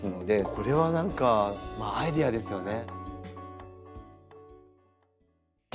これは何かまあアイデアですよね。